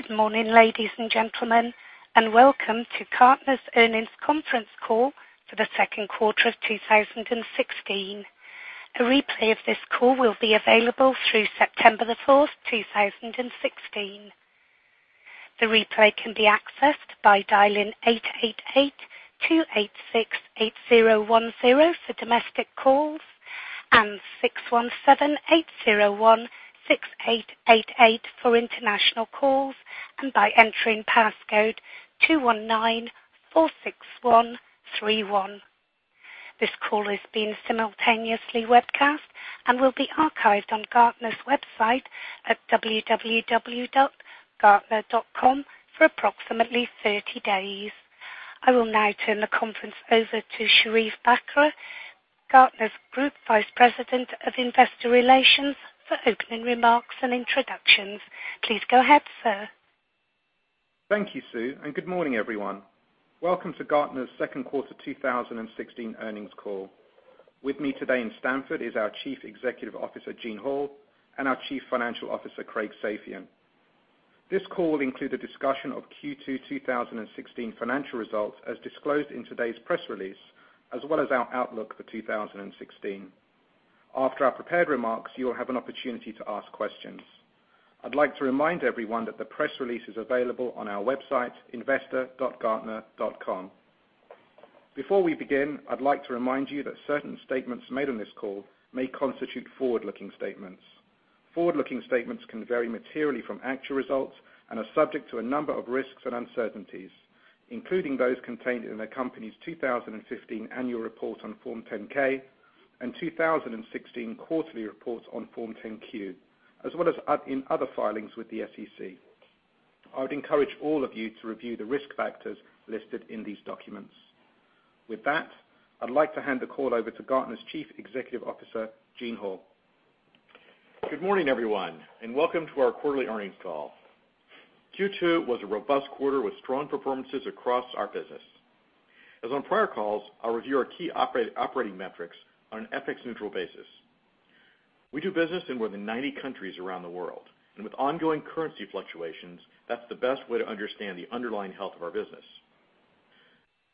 Good morning, ladies and gentlemen, and welcome to Gartner's Earnings Conference Call for the second quarter of 2016. A replay of this call will be available through September 4, 2016. The replay can be accessed by dialing 888-286-8010 for domestic calls and 617-801-6888 for international calls and by entering passcode 21946131. This call is being simultaneously webcast and will be archived on Gartner's website at www.gartner.com for approximately 30 days. I will now turn the conference over to Sherief Bakr, Gartner's Group Vice President of Investor Relations, for opening remarks and introductions. Please go ahead, sir. Thank you, Sue, and good morning, everyone. Welcome to Gartner's second quarter 2016 earnings call. With me today in Stamford is our Chief Executive Officer, Gene Hall, and our Chief Financial Officer, Craig Safian. This call will include a discussion of Q2 2016 financial results as disclosed in today's press release, as well as our outlook for 2016. After our prepared remarks, you will have an opportunity to ask questions. I'd like to remind everyone that the press release is available on our website, investor.gartner.com. Before we begin, I'd like to remind you that certain statements made on this call may constitute forward-looking statements. Forward-looking statements can vary materially from actual results and are subject to a number of risks and uncertainties, including those contained in the company's 2015 annual report on Form 10-K and 2016 quarterly reports on Form 10-Q, as well as in other filings with the SEC. I would encourage all of you to review the risk factors listed in these documents. With that, I'd like to hand the call over to Gartner's Chief Executive Officer, Gene Hall. Good morning, everyone, and welcome to our quarterly earnings call. Q2 was a robust quarter with strong performances across our business. As on prior calls, I'll review our key operating metrics on an FX-neutral basis. We do business in more than 90 countries around the world, and with ongoing currency fluctuations, that's the best way to understand the underlying health of our business.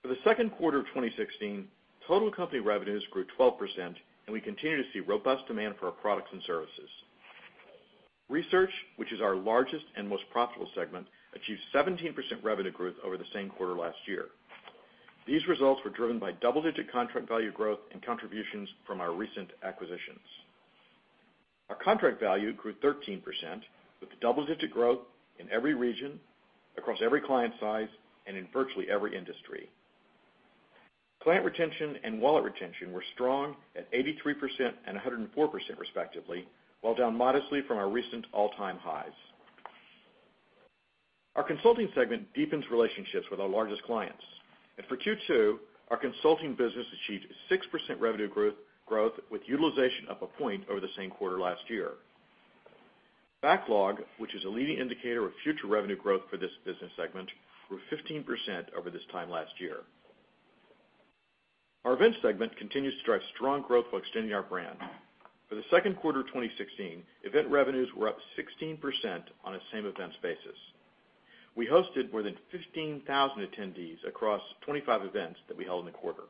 For the second quarter of 2016, total company revenues grew 12%, and we continue to see robust demand for our products and services. Research, which is our largest and most profitable segment, achieved 17% revenue growth over the same quarter last year. These results were driven by double-digit contract value growth and contributions from our recent acquisitions. Our contract value grew 13%, with double-digit growth in every region, across every client size, and in virtually every industry. Client retention and wallet retention were strong at 83% and 104%, respectively, while down modestly from our recent all-time highs. Our consulting segment deepens relationships with our largest clients. For Q2, our consulting business achieved 6% revenue growth, with utilization up a point over the same quarter last year. Backlog, which is a leading indicator of future revenue growth for this business segment, grew 15% over this time last year. Our events segment continues to drive strong growth while extending our brand. For the second quarter of 2016, event revenues were up 16% on a same events basis. We hosted more than 15,000 attendees across 25 events that we held in the quarter.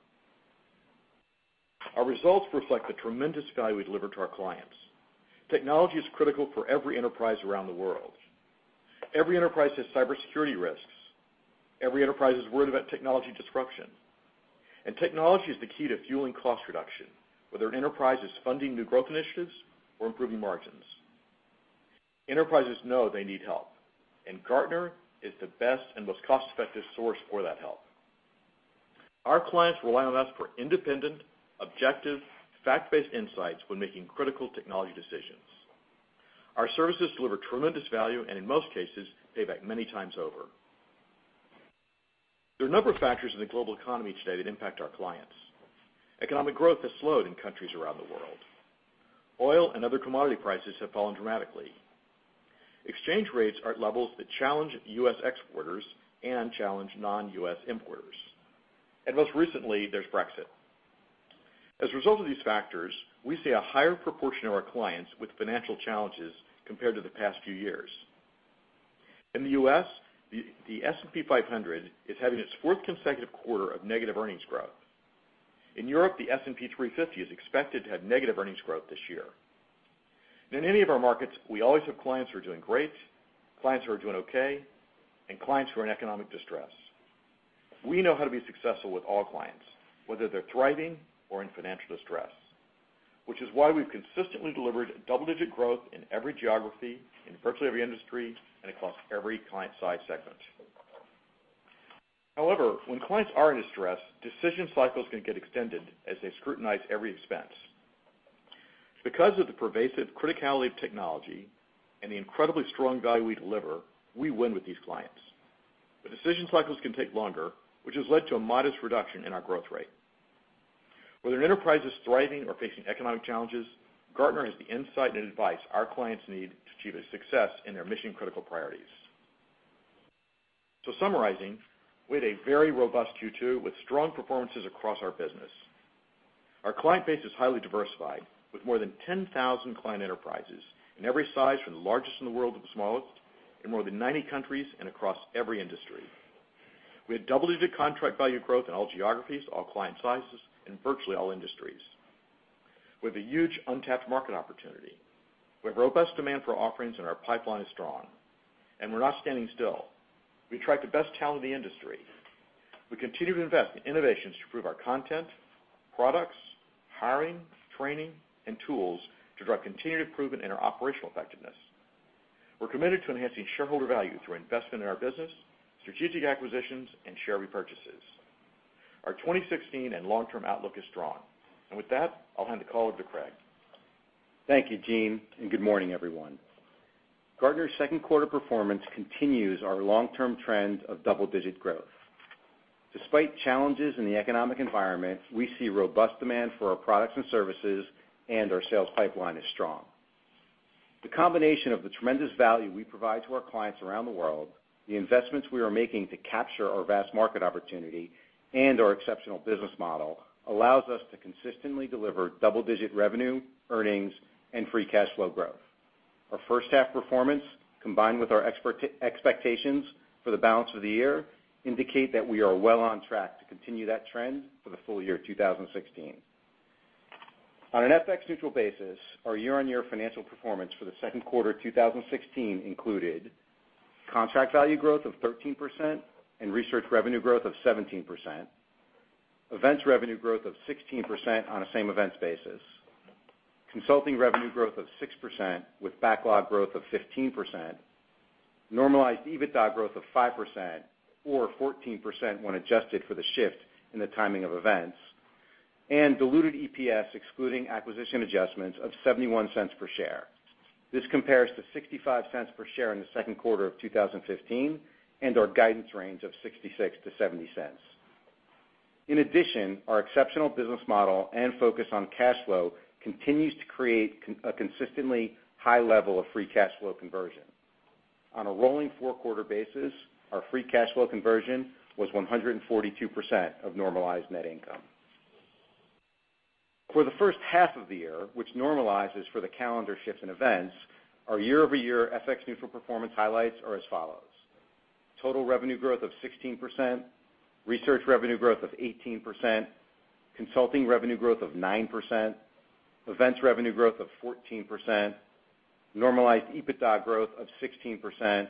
Our results reflect the tremendous value we deliver to our clients. Technology is critical for every enterprise around the world. Every enterprise has cybersecurity risks. Every enterprise is worried about technology disruption. Technology is the key to fueling cost reduction, whether an enterprise is funding new growth initiatives or improving margins. Enterprises know they need help, Gartner is the best and most cost-effective source for that help. Our clients rely on us for independent, objective, fact-based insights when making critical technology decisions. Our services deliver tremendous value and, in most cases, pay back many times over. There are a number of factors in the global economy today that impact our clients. Economic growth has slowed in countries around the world. Oil and other commodity prices have fallen dramatically. Exchange rates are at levels that challenge U.S. exporters and challenge non-U.S. importers. Most recently, there's Brexit. As a result of these factors, we see a higher proportion of our clients with financial challenges compared to the past few years. In the U.S., the S&P 500 is having its fourth consecutive quarter of negative earnings growth. In Europe, the S&P 350 is expected to have negative earnings growth this year. In any of our markets, we always have clients who are doing great, clients who are doing okay, and clients who are in economic distress. We know how to be successful with all clients, whether they're thriving or in financial distress, which is why we've consistently delivered double-digit growth in every geography, in virtually every industry, and across every client size segment. However, when clients are in distress, decision cycles can get extended as they scrutinize every expense. Because of the pervasive criticality of technology and the incredibly strong value we deliver, we win with these clients. The decision cycles can take longer, which has led to a modest reduction in our growth rate. Whether an enterprise is thriving or facing economic challenges, Gartner has the insight and advice our clients need to achieve success in their mission-critical priorities. Summarizing, we had a very robust Q2 with strong performances across our business. Our client base is highly diversified, with more than 10,000 client enterprises in every size, from the largest in the world to the smallest, in more than 90 countries and across every industry. We had double-digit contract value growth in all geographies, all client sizes, and virtually all industries. We have a huge untapped market opportunity. We have robust demand for offerings, our pipeline is strong. We're not standing still. We attract the best talent in the industry. We continue to invest in innovations to improve our content, products, hiring, training, and tools to drive continued improvement in our operational effectiveness. We're committed to enhancing shareholder value through investment in our business, strategic acquisitions, and share repurchases. Our 2016 and long-term outlook is strong. With that, I'll hand the call over to Craig. Thank you, Gene, good morning, everyone. Gartner's second quarter performance continues our long-term trend of double-digit growth. Despite challenges in the economic environment, we see robust demand for our products and services, our sales pipeline is strong. The combination of the tremendous value we provide to our clients around the world, the investments we are making to capture our vast market opportunity, our exceptional business model allows us to consistently deliver double-digit revenue, earnings, and free cash flow growth. Our first half performance, combined with our expectations for the balance of the year, indicate that we are well on track to continue that trend for the full year 2016. On an FX-neutral basis, our year-on-year financial performance for the second quarter 2016 included contract value growth of 13%, research revenue growth of 17%, events revenue growth of 16% on a same-events basis, consulting revenue growth of 6% with backlog growth of 15%, normalized EBITDA growth of 5%, or 14% when adjusted for the shift in the timing of events, diluted EPS, excluding acquisition adjustments, of $0.71 per share. This compares to $0.65 per share in the second quarter of 2015 and our guidance range of $0.66-$0.70. In addition, our exceptional business model and focus on cash flow continues to create a consistently high level of free cash flow conversion. On a rolling four-quarter basis, our free cash flow conversion was 142% of normalized net income. For the first half of the year, which normalizes for the calendar shifts in events, our year-over-year FX-neutral performance highlights are as follows: Total revenue growth of 16%, research revenue growth of 18%, consulting revenue growth of 9%, events revenue growth of 14%, normalized EBITDA growth of 16%,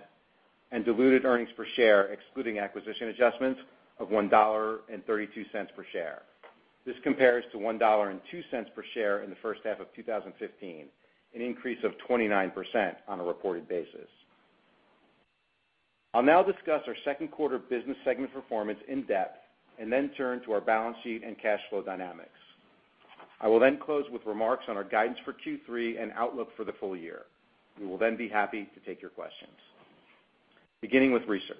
diluted earnings per share, excluding acquisition adjustments, of $1.32 per share. This compares to $1.02 per share in the first half of 2015, an increase of 29% on a reported basis. I'll now discuss our second quarter business segment performance in depth and then turn to our balance sheet and cash flow dynamics. I will close with remarks on our guidance for Q3 and outlook for the full year. We will be happy to take your questions. Beginning with research.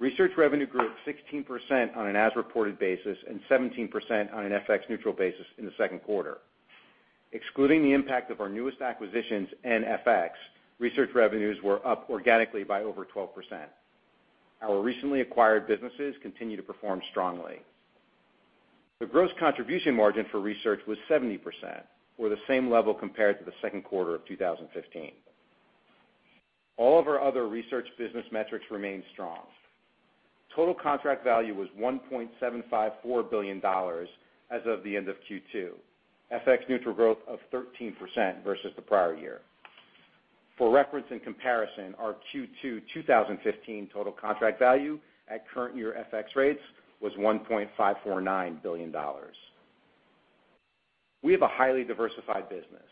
Research revenue grew at 16% on an as-reported basis and 17% on an FX neutral basis in the second quarter. Excluding the impact of our newest acquisitions and FX, research revenues were up organically by over 12%. Our recently acquired businesses continue to perform strongly. The gross contribution margin for research was 70%, or the same level compared to the second quarter of 2015. All of our other research business metrics remained strong. Total contract value was $1.754 billion as of the end of Q2, FX neutral growth of 13% versus the prior year. For reference and comparison, our Q2 2015 total contract value at current year FX rates was $1.549 billion. We have a highly diversified business.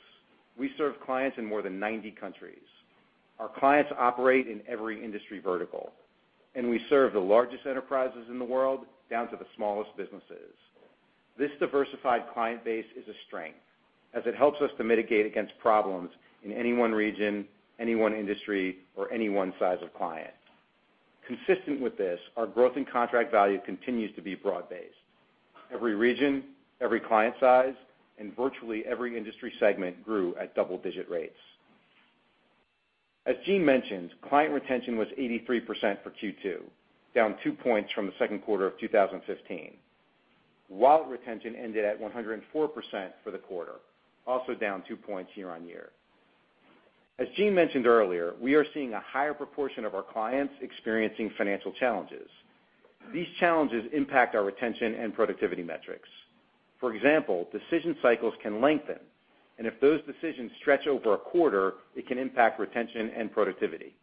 We serve clients in more than 90 countries. Our clients operate in every industry vertical, we serve the largest enterprises in the world down to the smallest businesses. This diversified client base is a strength, as it helps us to mitigate against problems in any one region, any one industry, or any one size of client. Consistent with this, our growth in contract value continues to be broad-based. Every region, every client size, virtually every industry segment grew at double-digit rates. As Gene mentioned, client retention was 83% for Q2, down two points from the second quarter of 2015. Wallet retention ended at 104% for the quarter, also down two points year-over-year. As Gene mentioned earlier, we are seeing a higher proportion of our clients experiencing financial challenges. These challenges impact our retention and productivity metrics. For example, decision cycles can lengthen, and if those decisions stretch over a quarter, it can impact retention and productivity.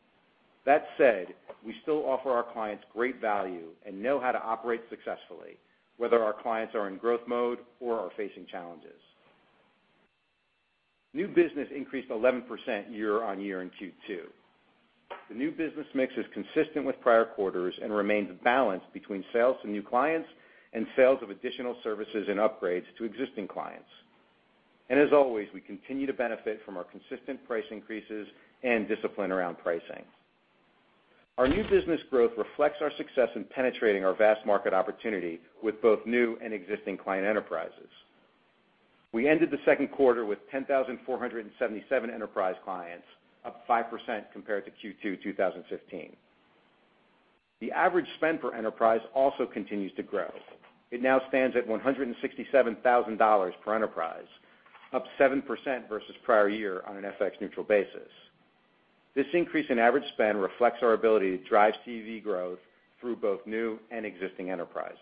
That said, we still offer our clients great value and know how to operate successfully, whether our clients are in growth mode or are facing challenges. New business increased 11% year-over-year in Q2. The new business mix is consistent with prior quarters and remains balanced between sales to new clients and sales of additional services and upgrades to existing clients. As always, we continue to benefit from our consistent price increases and discipline around pricing. Our new business growth reflects our success in penetrating our vast market opportunity with both new and existing client enterprises. We ended the second quarter with 10,477 enterprise clients, up 5% compared to Q2 2015. The average spend per enterprise also continues to grow. It now stands at $167,000 per enterprise, up 7% versus prior year on an FX neutral basis. This increase in average spend reflects our ability to drive CV growth through both new and existing enterprises.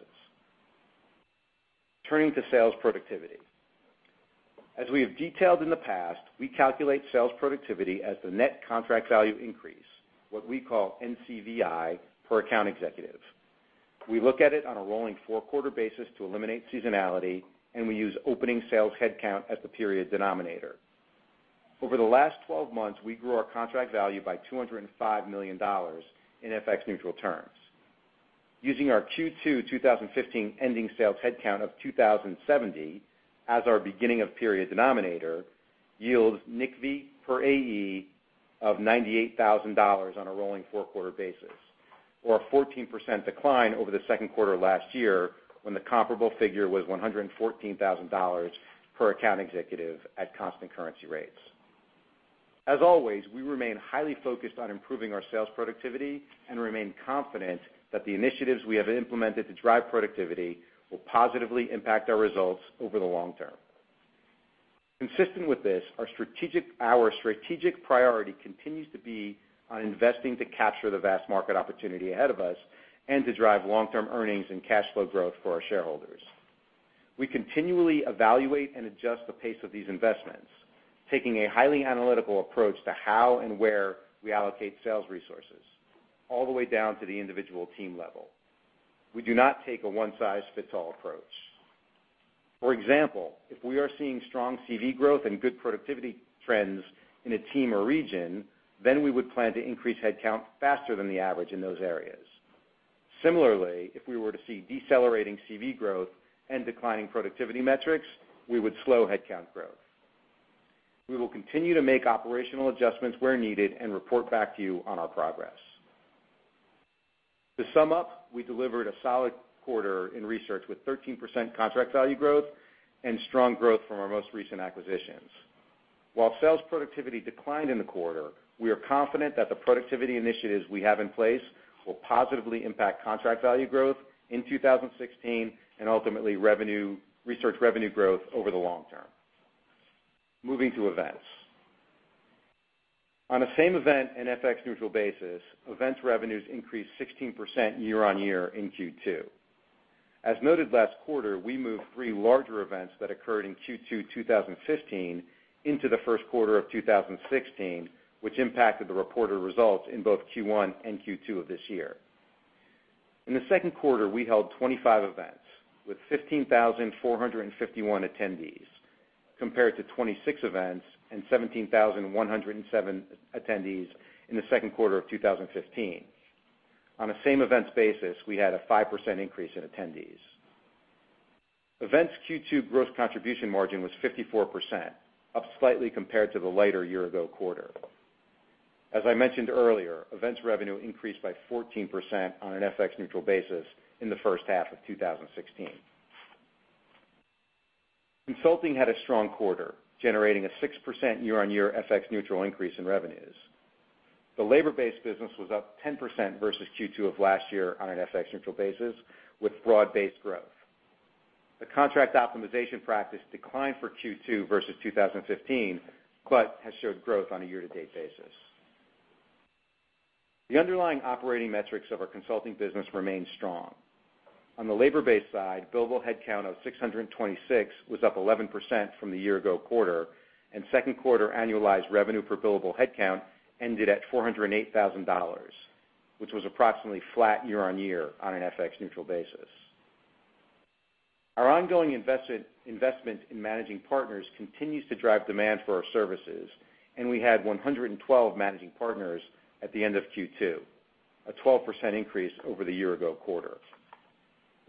Turning to sales productivity. As we have detailed in the past, we calculate sales productivity as the net contract value increase, what we call NCVI, per account executive. We look at it on a rolling four-quarter basis to eliminate seasonality, and we use opening sales headcount as the period denominator. Over the last 12 months, we grew our contract value by $205 million in FX neutral terms. Using our Q2 2015 ending sales headcount of 2,070 as our beginning of period denominator yields NCVI per AE of $98,000 on a rolling four-quarter basis or a 14% decline over the second quarter last year when the comparable figure was $114,000 per account executive at constant currency rates. As always, we remain highly focused on improving our sales productivity and remain confident that the initiatives we have implemented to drive productivity will positively impact our results over the long term. Consistent with this, our strategic priority continues to be on investing to capture the vast market opportunity ahead of us and to drive long-term earnings and cash flow growth for our shareholders. We continually evaluate and adjust the pace of these investments, taking a highly analytical approach to how and where we allocate sales resources all the way down to the individual team level. We do not take a one size fits all approach. For example, if we are seeing strong CV growth and good productivity trends in a team or region, then we would plan to increase headcount faster than the average in those areas. Similarly, if we were to see decelerating CV growth and declining productivity metrics, we would slow headcount growth. We will continue to make operational adjustments where needed and report back to you on our progress. To sum up, we delivered a solid quarter in research with 13% contract value growth and strong growth from our most recent acquisitions. While sales productivity declined in the quarter, we are confident that the productivity initiatives we have in place will positively impact contract value growth in 2016 and ultimately research revenue growth over the long term. Moving to Events. On a same event and FX neutral basis, Events revenues increased 16% year-on-year in Q2. As noted last quarter, we moved three larger events that occurred in Q2 2015 into the first quarter of 2016, which impacted the reported results in both Q1 and Q2 of this year. In the second quarter, we held 25 events with 15,451 attendees, compared to 26 events and 17,107 attendees in the second quarter of 2015. On a same events basis, we had a 5% increase in attendees. Events' Q2 gross contribution margin was 54%, up slightly compared to the lighter year-ago quarter. As I mentioned earlier, Events revenue increased by 14% on an FX neutral basis in the first half of 2016. Consulting had a strong quarter, generating a 6% year-on-year FX neutral increase in revenues. The labor-based business was up 10% versus Q2 of last year on an FX neutral basis with broad-based growth. The contract optimization practice declined for Q2 versus 2015, but has showed growth on a year-to-date basis. The underlying operating metrics of our consulting business remain strong. On the labor-based side, billable headcount of 626 was up 11% from the year-ago quarter, and second quarter annualized revenue per billable headcount ended at $408,000, which was approximately flat year-on-year on an FX neutral basis. Our ongoing investment in managing partners continues to drive demand for our services, and we had 112 managing partners at the end of Q2, a 12% increase over the year-ago quarter.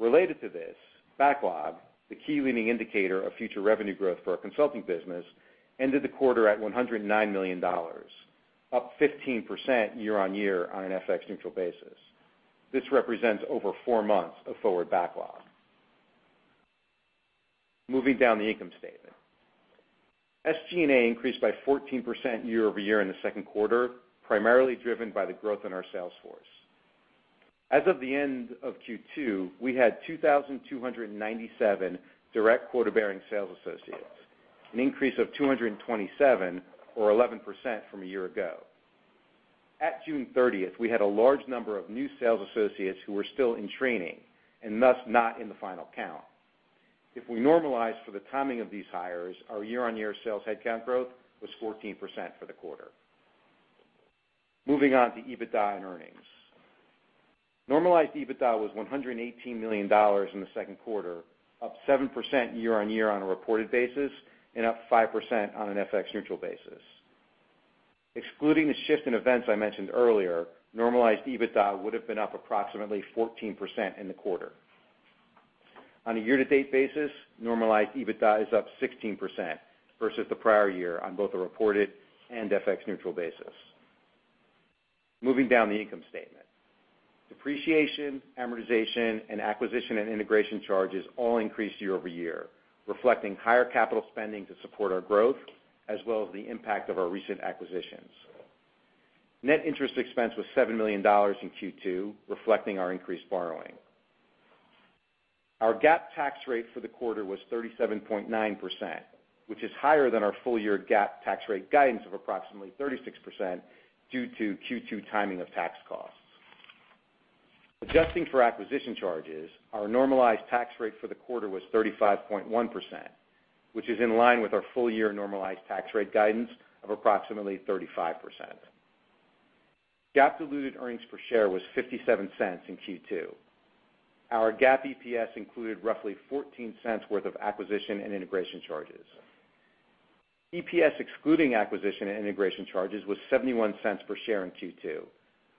Related to this backlog, the key leading indicator of future revenue growth for our consulting business ended the quarter at $109 million, up 15% year-on-year on an FX neutral basis. This represents over four months of forward backlog. Moving down the income statement. SG&A increased by 14% year-over-year in the second quarter, primarily driven by the growth in our sales force. As of the end of Q2, we had 2,297 direct quota-bearing sales associates, an increase of 227 or 11% from a year ago. At June 30th, we had a large number of new sales associates who were still in training and thus not in the final count. If we normalize for the timing of these hires, our year-on-year sales headcount growth was 14% for the quarter. Moving on to EBITDA and earnings. Normalized EBITDA was $118 million in the second quarter, up 7% year-on-year on a reported basis and up 5% on an FX neutral basis. Excluding the shift in events I mentioned earlier, normalized EBITDA would have been up approximately 14% in the quarter. On a year-to-date basis, normalized EBITDA is up 16% versus the prior year on both a reported and FX neutral basis. Moving down the income statement. Depreciation, amortization, and acquisition and integration charges all increased year-over-year, reflecting higher capital spending to support our growth, as well as the impact of our recent acquisitions. Net interest expense was $7 million in Q2, reflecting our increased borrowing. Our GAAP tax rate for the quarter was 37.9%, which is higher than our full-year GAAP tax rate guidance of approximately 36% due to Q2 timing of tax costs. Adjusting for acquisition charges, our normalized tax rate for the quarter was 35.1%, which is in line with our full-year normalized tax rate guidance of approximately 35%. GAAP diluted earnings per share was $0.57 in Q2. Our GAAP EPS included roughly $0.14 worth of acquisition and integration charges. EPS excluding acquisition and integration charges was $0.71 per share in Q2,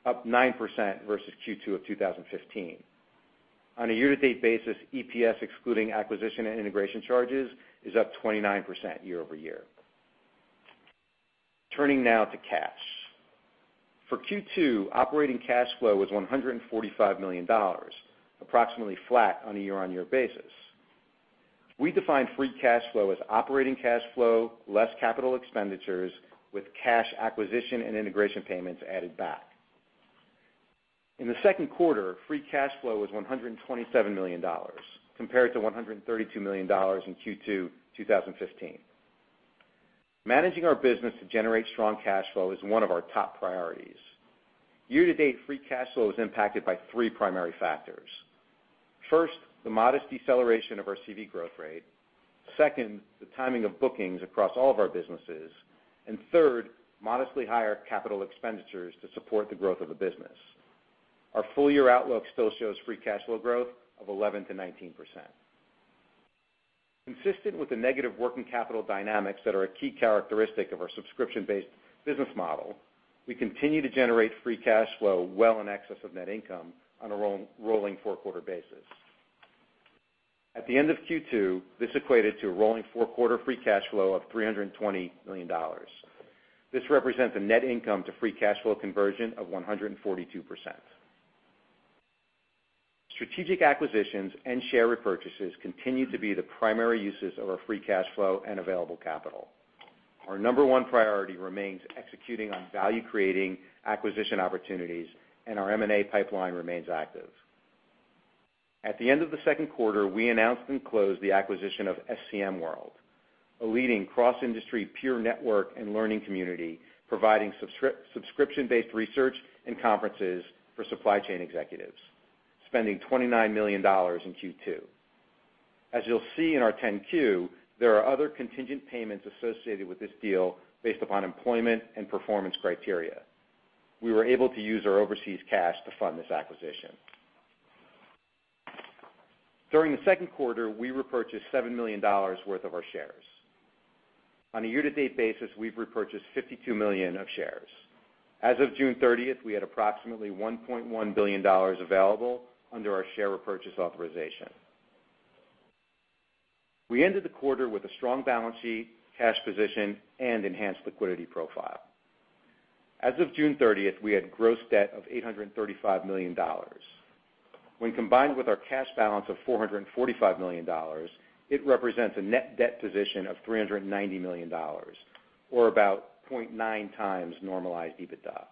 up 9% versus Q2 of 2015. On a year-to-date basis, EPS excluding acquisition and integration charges is up 29% year-over-year. Turning now to cash. For Q2, operating cash flow was $145 million, approximately flat on a year-on-year basis. We define free cash flow as operating cash flow less capital expenditures with cash acquisition and integration payments added back. In the second quarter, free cash flow was $127 million compared to $132 million in Q2 2015. Managing our business to generate strong cash flow is one of our top priorities. Year-to-date free cash flow is impacted by three primary factors. First, the modest deceleration of our CV growth rate. Second, the timing of bookings across all of our businesses. Third, modestly higher capital expenditures to support the growth of the business. Our full-year outlook still shows free cash flow growth of 11%-19%. Consistent with the negative working capital dynamics that are a key characteristic of our subscription-based business model, we continue to generate free cash flow well in excess of net income on a rolling four-quarter basis. At the end of Q2, this equated to a rolling four-quarter free cash flow of $320 million. This represents a net income to free cash flow conversion of 142%. Strategic acquisitions and share repurchases continue to be the primary uses of our free cash flow and available capital. Our number one priority remains executing on value-creating acquisition opportunities, and our M&A pipeline remains active. At the end of the second quarter, we announced and closed the acquisition of SCM World, a leading cross-industry peer network and learning community providing subscription-based research and conferences for supply chain executives, spending $29 million in Q2. As you'll see in our 10-Q, there are other contingent payments associated with this deal based upon employment and performance criteria. We were able to use our overseas cash to fund this acquisition. During the second quarter, we repurchased $7 million worth of our shares. On a year-to-date basis, we've repurchased $52 million of shares. As of June 30th, we had approximately $1.1 billion available under our share repurchase authorization. We ended the quarter with a strong balance sheet, cash position, and enhanced liquidity profile. As of June 30th, we had gross debt of $835 million. When combined with our cash balance of $445 million, it represents a net debt position of $390 million, or about 0.9 times normalized EBITDA.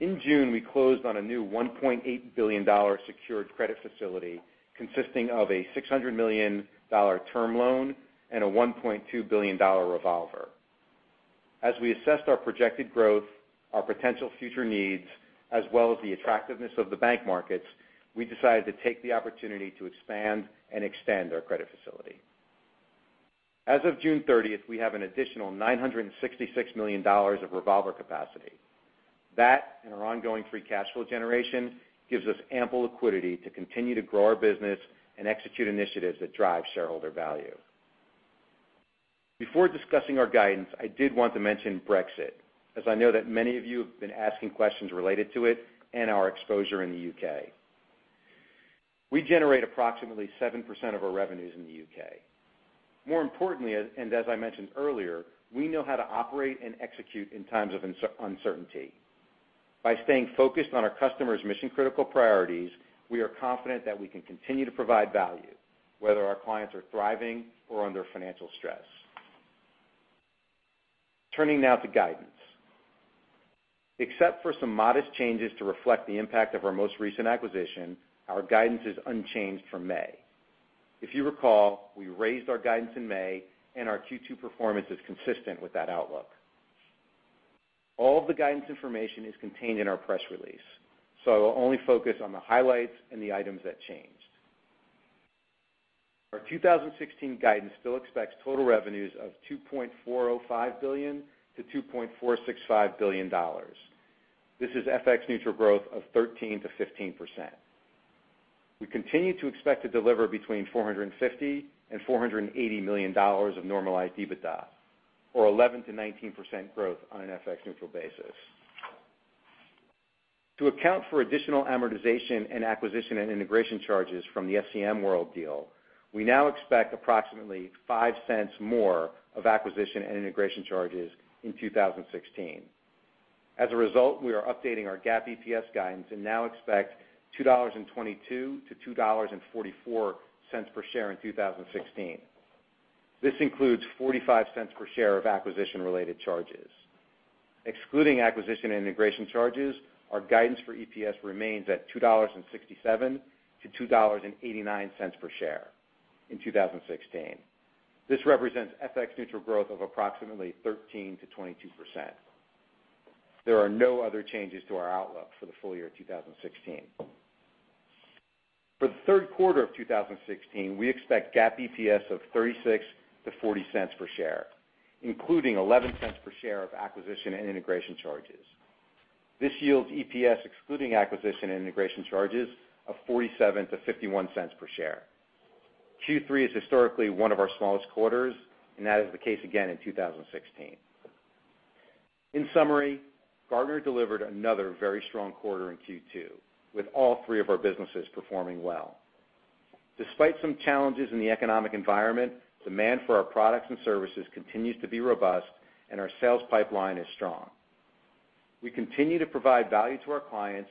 In June, we closed on a new $1.8 billion secured credit facility consisting of a $600 million term loan and a $1.2 billion revolver. As we assessed our projected growth, our potential future needs, as well as the attractiveness of the bank markets, we decided to take the opportunity to expand and extend our credit facility. As of June 30th, we have an additional $966 million of revolver capacity. That and our ongoing free cash flow generation gives us ample liquidity to continue to grow our business and execute initiatives that drive shareholder value. Before discussing our guidance, I did want to mention Brexit, as I know that many of you have been asking questions related to it and our exposure in the U.K. We generate approximately 7% of our revenues in the U.K. More importantly, as I mentioned earlier, we know how to operate and execute in times of uncertainty. By staying focused on our customers' mission-critical priorities, we are confident that we can continue to provide value, whether our clients are thriving or under financial stress. Turning now to guidance. Except for some modest changes to reflect the impact of our most recent acquisition, our guidance is unchanged from May. If you recall, we raised our guidance in May, and our Q2 performance is consistent with that outlook. All the guidance information is contained in our press release, I will only focus on the highlights and the items that changed. Our 2016 guidance still expects total revenues of $2.405 billion-$2.465 billion. This is FX-neutral growth of 13%-15%. We continue to expect to deliver between $450 million and $480 million of normalized EBITDA, or 11%-19% growth on an FX-neutral basis. To account for additional amortization and acquisition and integration charges from the SCM World deal, we now expect approximately $0.05 more of acquisition and integration charges in 2016. As a result, we are updating our GAAP EPS guidance and now expect $2.22-$2.44 per share in 2016. This includes $0.45 per share of acquisition-related charges. Excluding acquisition and integration charges, our guidance for EPS remains at $2.67-$2.89 per share in 2016. This represents FX-neutral growth of approximately 13%-22%. There are no other changes to our outlook for the full year 2016. For the third quarter of 2016, we expect GAAP EPS of $0.36-$0.40 per share, including $0.11 per share of acquisition and integration charges. This yields EPS excluding acquisition and integration charges of $0.47-$0.51 per share. Q3 is historically one of our smallest quarters, and that is the case again in 2016. In summary, Gartner delivered another very strong quarter in Q2, with all three of our businesses performing well. Despite some challenges in the economic environment, demand for our products and services continues to be robust and our sales pipeline is strong. We continue to provide value to our clients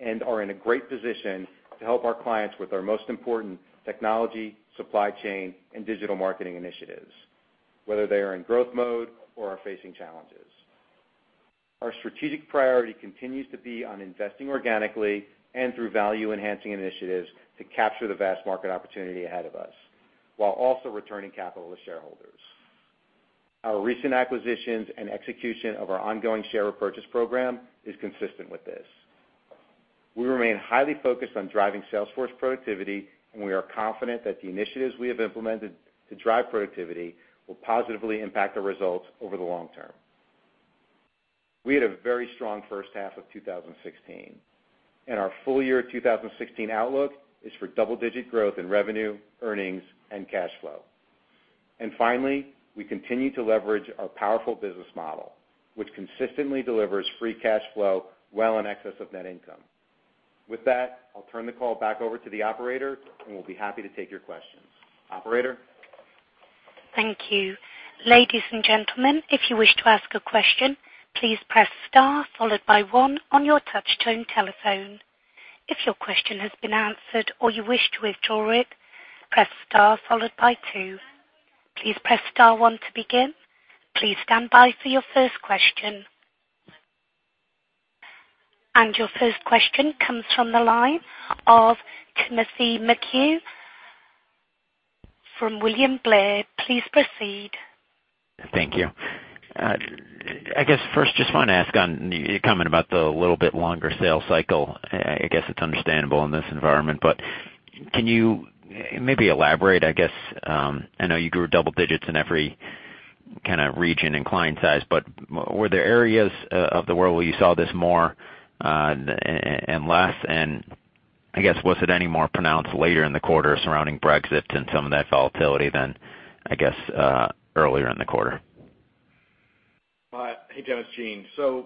and are in a great position to help our clients with our most important technology, supply chain, and digital marketing initiatives, whether they are in growth mode or are facing challenges. Our strategic priority continues to be on investing organically and through value-enhancing initiatives to capture the vast market opportunity ahead of us, while also returning capital to shareholders. Our recent acquisitions and execution of our ongoing share repurchase program is consistent with this. We remain highly focused on driving sales force productivity, and we are confident that the initiatives we have implemented to drive productivity will positively impact the results over the long term. We had a very strong first half of 2016, and our full year 2016 outlook is for double-digit growth in revenue, earnings, and cash flow. Finally, we continue to leverage our powerful business model, which consistently delivers free cash flow well in excess of net income. With that, I'll turn the call back over to the operator, and we'll be happy to take your questions. Operator? Thank you. Ladies and gentlemen, if you wish to ask a question, please press star followed by one on your touch-tone telephone. If your question has been answered or you wish to withdraw it, press star followed by two. Please press star one to begin. Please stand by for your first question. Your first question comes from the line of Timothy McHugh from William Blair. Please proceed. Thank you. I guess first, just want to ask on your comment about the little bit longer sales cycle. I guess it's understandable in this environment, but can you maybe elaborate, I guess, I know you grew double digits in every kind of region and client size, but were there areas of the world where you saw this more and less? I guess, was it any more pronounced later in the quarter surrounding Brexit and some of that volatility than, I guess, earlier in the quarter? Hey, Tim, it's Gene. To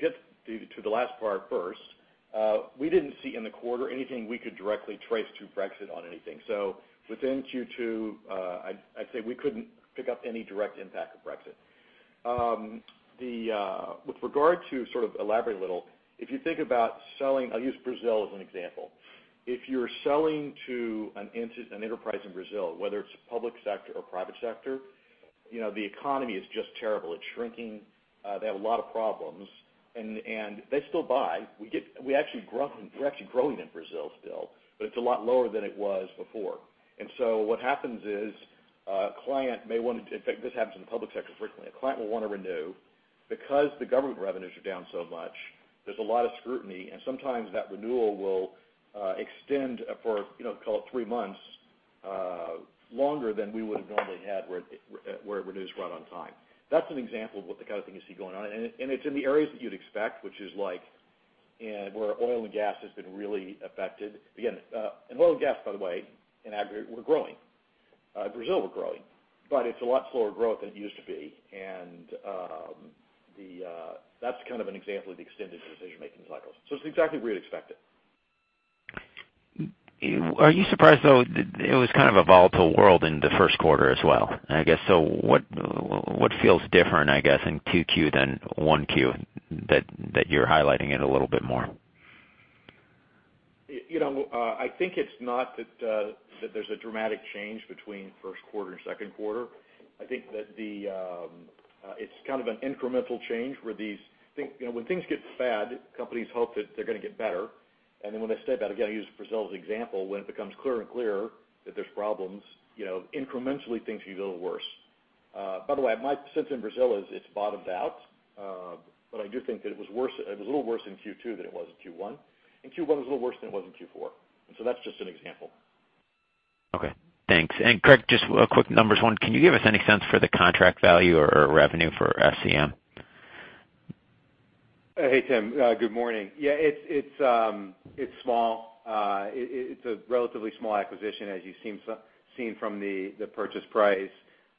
get to the last part first, we didn't see in the quarter anything we could directly trace to Brexit on anything. Within Q2, I'd say we couldn't pick up any direct impact of Brexit. With regard to sort of elaborate a little, if you think about selling, I'll use Brazil as an example. If you're selling to an enterprise in Brazil, whether it's public sector or private sector, the economy is just terrible. It's shrinking. They have a lot of problems, and they still buy. We're actually growing in Brazil still, but it's a lot lower than it was before. What happens is, a client may want to, in fact, this happens in the public sector frequently. A client will want to renew. Because the government revenues are down so much, there's a lot of scrutiny, and sometimes that renewal will extend for call it three months longer than we would have normally had, where it renews right on time. That's an example of the kind of thing you see going on, and it's in the areas that you'd expect, which is like where oil and gas has been really affected. Again, in oil and gas, by the way, in aggregate, we're growing. Brazil, we're growing, but it's a lot slower growth than it used to be, and that's kind of an example of the extended decision-making cycles. It's exactly where you'd expect it. Are you surprised, though? It was kind of a volatile world in the first quarter as well. I guess what feels different, I guess, in 2Q than 1Q that you're highlighting it a little bit more? I think it's not that there's a dramatic change between first quarter and second quarter. I think that it's kind of an incremental change where when things get bad, companies hope that they're going to get better. When they step out, again, I use Brazil as an example, when it becomes clearer and clearer that there's problems, incrementally things get a little worse. By the way, my sense in Brazil is it's bottomed out, but I do think that it was a little worse in Q2 than it was in Q1, and Q1 was a little worse than it was in Q4. That's just an example. Okay, thanks. Craig, just a quick numbers one. Can you give us any sense for the contract value or revenue for SCM? Hey, Tim. Good morning. Yeah, it's small. It's a relatively small acquisition, as you've seen from the purchase price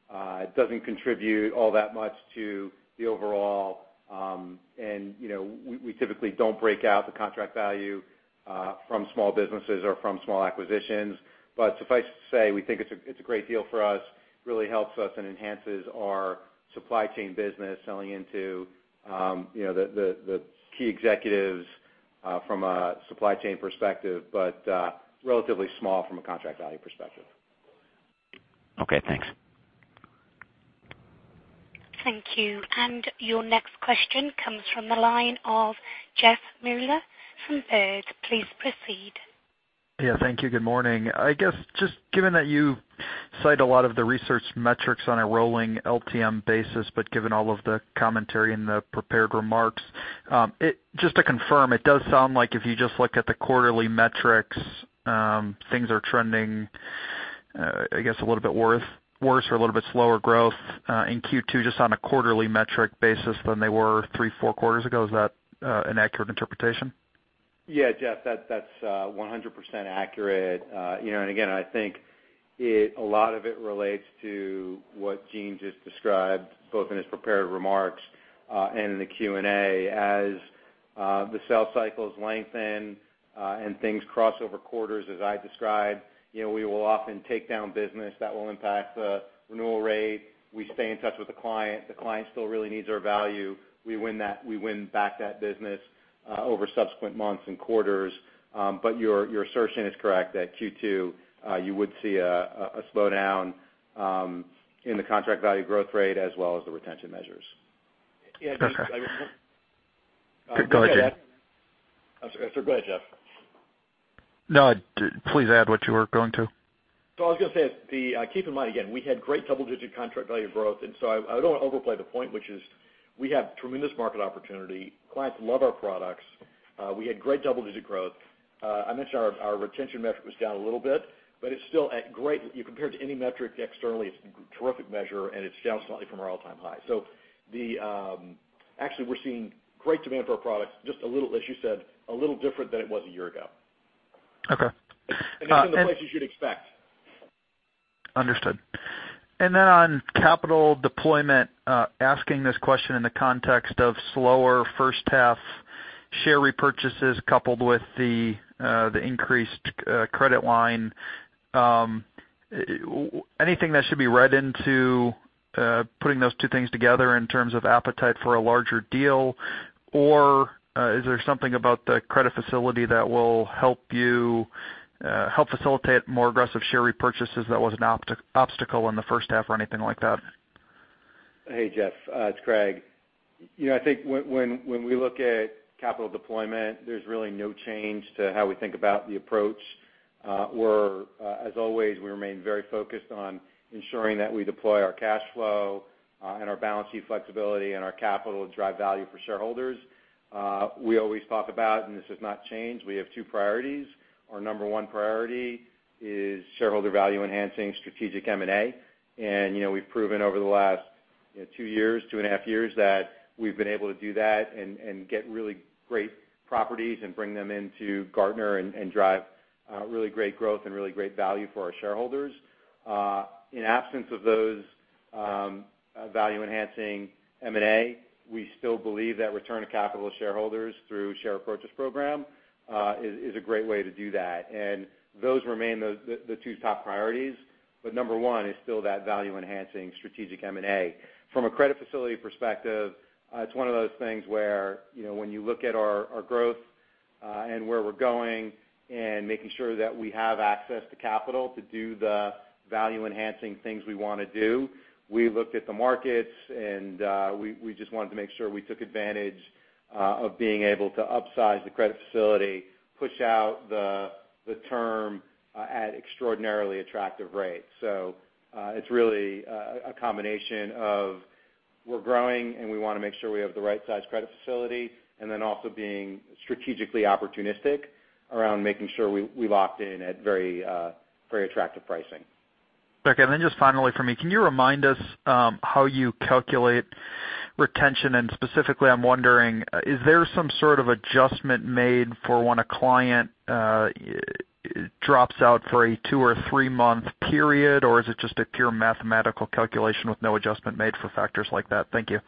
It doesn't contribute all that much to the overall. We typically don't break out the contract value from small businesses or from small acquisitions. Suffice to say, we think it's a great deal for us, really helps us and enhances our supply chain business selling into the key executives from a supply chain perspective, but relatively small from a contract value perspective. Okay, thanks. Thank you. Your next question comes from the line of Jeff Meuler from Baird. Please proceed. Yeah, thank you. Good morning. I guess just given that you cite a lot of the research metrics on a rolling LTM basis, but given all of the commentary in the prepared remarks, just to confirm, it does sound like if you just look at the quarterly metrics, things are trending, I guess, a little bit worse or a little bit slower growth in Q2 just on a quarterly metric basis than they were three, four quarters ago. Is that an accurate interpretation? Yeah, Jeff, that's 100% accurate. Again, I think a lot of it relates to what Gene just described, both in his prepared remarks and in the Q&A. As the sales cycles lengthen and things cross over quarters, as I described, we will often take down business that will impact the renewal rate. We stay in touch with the client. The client still really needs our value. We win back that business over subsequent months and quarters. Your assertion is correct that Q2, you would see a slowdown in the contract value growth rate as well as the retention measures. Yeah, Gene. Go ahead, Jeff. I'm sorry. Go ahead, Jeff. Please add what you were going to. I was going to say, keep in mind, again, we had great double-digit contract value growth, and so I don't want to overplay the point, which is we have tremendous market opportunity. Clients love our products. We had great double-digit growth. I mentioned our retention metric was down a little bit, but you compare it to any metric externally, it's terrific measure, and it's down slightly from our all-time high. Actually we're seeing great demand for our products, just as you said, a little different than it was a year ago. Okay. It's in the place you should expect. Understood. On capital deployment, asking this question in the context of slower first half share repurchases coupled with the increased credit line. Anything that should be read into putting those two things together in terms of appetite for a larger deal, or is there something about the credit facility that will help facilitate more aggressive share repurchases that was an obstacle in the first half or anything like that? Hey, Jeff, it's Craig. I think when we look at capital deployment, there's really no change to how we think about the approach. As always, we remain very focused on ensuring that we deploy our cash flow and our balance sheet flexibility and our capital to drive value for shareholders. We always talk about, this has not changed, we have two priorities. Our number one priority is shareholder value enhancing strategic M&A, we've proven over the last two and a half years that we've been able to do that and get really great properties and bring them into Gartner and drive really great growth and really great value for our shareholders. In absence of those value-enhancing M&A, we still believe that return of capital to shareholders through share purchase program is a great way to do that. Those remain the two top priorities. Number one is still that value-enhancing strategic M&A. From a credit facility perspective, it's one of those things where when you look at our growth and where we're going and making sure that we have access to capital to do the value-enhancing things we want to do, we looked at the markets, we just wanted to make sure we took advantage of being able to upsize the credit facility, push out the term at extraordinarily attractive rates. It's really a combination of we're growing, we want to make sure we have the right size credit facility, also being strategically opportunistic around making sure we locked in at very attractive pricing. Okay. Just finally for me, can you remind us how you calculate retention? And specifically, I'm wondering, is there some sort of adjustment made for when a client drops out for a two or three-month period, or is it just a pure mathematical calculation with no adjustment made for factors like that? Thank you.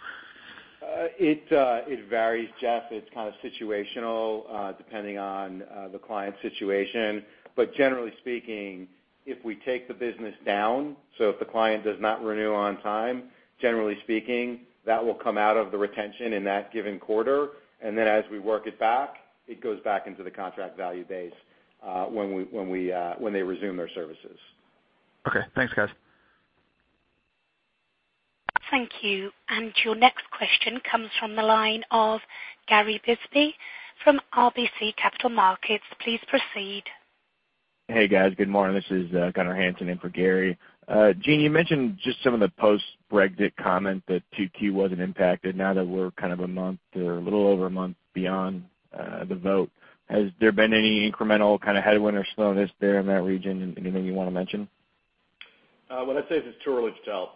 It varies, Jeff. It's kind of situational depending on the client's situation. Generally speaking, if we take the business down, if the client does not renew on time, generally speaking, that will come out of the retention in that given quarter. As we work it back, it goes back into the contract value base when they resume their services. Okay. Thanks, guys. Thank you. Your next question comes from the line of Gary Bisbee from RBC Capital Markets. Please proceed. Hey, guys. Good morning. This is Gunnar Hansen in for Gary. Gene, you mentioned just some of the post-Brexit comment that Q2 wasn't impacted. Now that we're kind of a month or a little over a month beyond the vote, has there been any incremental kind of headwind or slowness there in that region? Anything you want to mention? Well, I'd say it's too early to tell.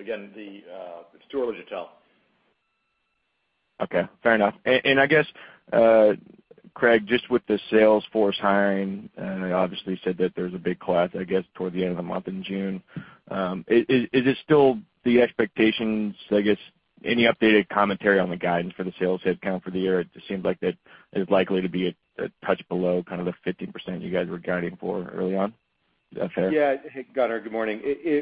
Again, it's too early to tell. Okay, fair enough. I guess, Craig, just with the sales force hiring, obviously you said that there's a big class, I guess, toward the end of the month in June. Is it still the expectations, I guess, any updated commentary on the guidance for the sales headcount for the year? It seems like that is likely to be a touch below the 15% you guys were guiding for early on. Is that fair? Yeah. Hey, Gunnar, good morning.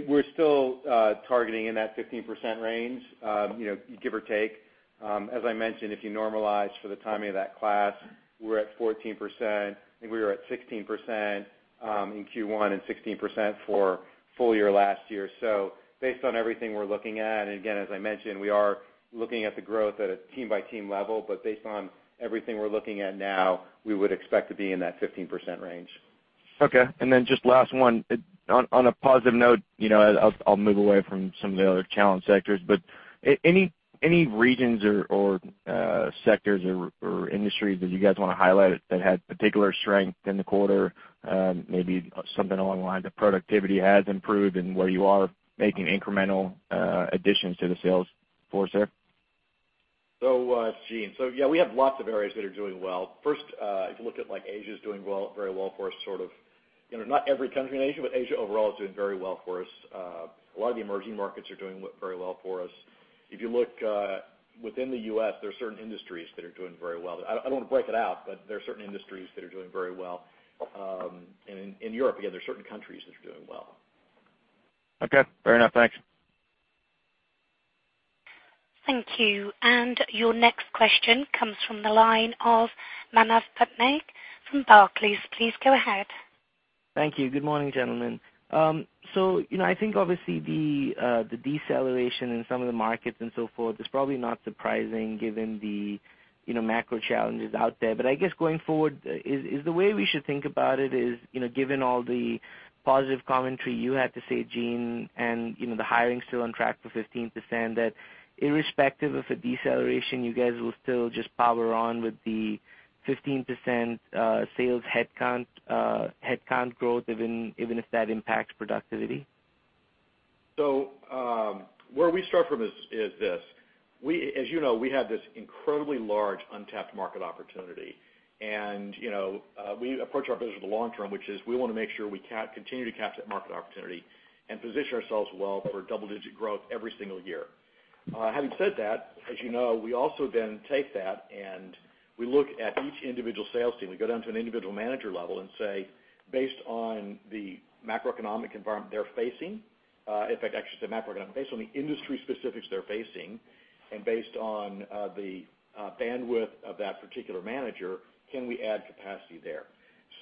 We're still targeting in that 15% range, give or take. As I mentioned, if you normalize for the timing of that class, we're at 14%. I think we were at 16% in Q1 and 16% for full year last year. Based on everything we're looking at, and again, as I mentioned, we are looking at the growth at a team-by-team level, but based on everything we're looking at now, we would expect to be in that 15% range. Just last one, on a positive note, I'll move away from some of the other challenge sectors, but any regions or sectors or industries that you guys want to highlight that had particular strength in the quarter? Maybe something along the lines of productivity has improved and where you are making incremental additions to the sales force there? It's Gene. Yeah, we have lots of areas that are doing well. First, if you look at Asia is doing very well for us. Not every country in Asia, but Asia overall is doing very well for us. A lot of the emerging markets are doing very well for us. If you look within the U.S., there are certain industries that are doing very well. I don't want to break it out, but there are certain industries that are doing very well. In Europe, again, there are certain countries that are doing well. Okay, fair enough. Thanks. Thank you. Your next question comes from the line of Manav Patnaik from Barclays. Please go ahead. Thank you. Good morning, gentlemen. I think obviously the deceleration in some of the markets and so forth is probably not surprising given the macro challenges out there. I guess going forward, is the way we should think about it is, given all the positive commentary you had to say, Gene, and the hiring still on track for 15%, that irrespective of a deceleration, you guys will still just power on with the 15% sales headcount growth, even if that impacts productivity? Where we start from is this. As you know, we have this incredibly large untapped market opportunity. We approach our business with the long term, which is we want to make sure we continue to capture that market opportunity and position ourselves well for double-digit growth every single year. Having said that, as you know, we also take that and we look at each individual sales team. We go down to an individual manager level and say, based on the macroeconomic environment they're facing, in fact, actually the macroeconomic, based on the industry specifics they're facing, and based on the bandwidth of that particular manager, can we add capacity there?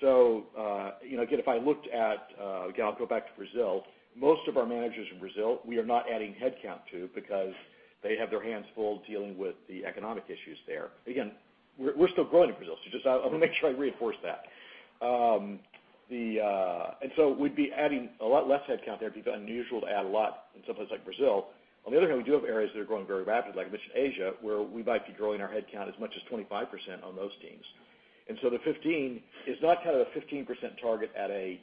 Again, if I looked at, again, I'll go back to Brazil. Most of our managers in Brazil, we are not adding headcount to because they have their hands full dealing with the economic issues there. Again, we're still growing in Brazil, just I want to make sure I reinforce that. We'd be adding a lot less headcount there. It'd be unusual to add a lot in some places like Brazil. On the other hand, we do have areas that are growing very rapidly, like I mentioned, Asia, where we might be growing our headcount as much as 25% on those teams. The 15 is not a 15% target at a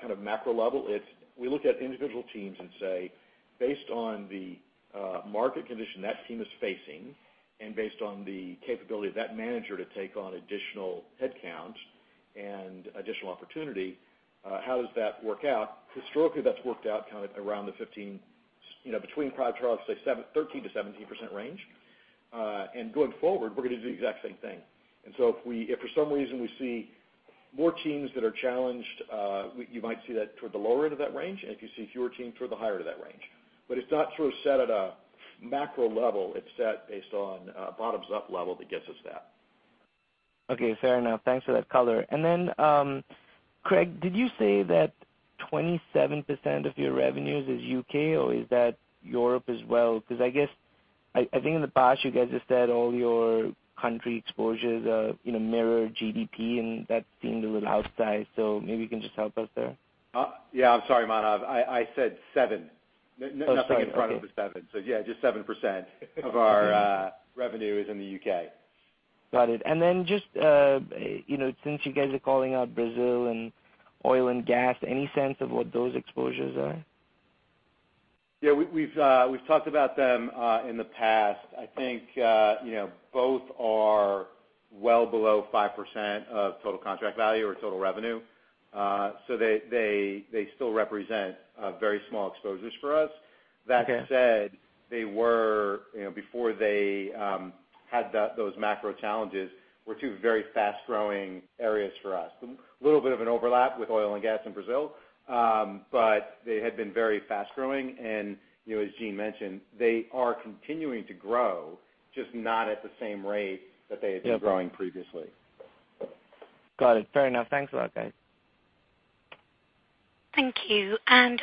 kind of macro level. We look at individual teams and say, based on the market condition that team is facing, and based on the capability of that manager to take on additional headcount and additional opportunity, how does that work out? Historically, that's worked out around between 13%-17% range. Going forward, we're going to do the exact same thing. If for some reason we see more teams that are challenged, you might see that toward the lower end of that range, and if you see fewer teams, toward the higher end of that range. It's not sort of set at a macro level. It's set based on a bottoms-up level that gets us that. Okay, fair enough. Thanks for that color. Craig, did you say that 27% of your revenues is U.K., or is that Europe as well? I guess, I think in the past, you guys have said all your country exposures mirror GDP, and that seemed a little outsized, so maybe you can just help us there. I'm sorry, Manav. I said seven. Sorry. Okay. Nothing in front of the seven. Just 7% of our revenue is in the U.K. Got it. Just since you guys are calling out Brazil and oil and gas, any sense of what those exposures are? Yeah, we've talked about them in the past. I think both are well below 5% of total contract value or total revenue. They still represent very small exposures for us. Okay. That said, they were, before they had those macro challenges, were two very fast-growing areas for us. A little bit of an overlap with oil and gas in Brazil, but they had been very fast-growing. As Gene mentioned, they are continuing to grow, just not at the same rate that they had been growing previously. Got it. Fair enough. Thanks a lot, guys. Thank you.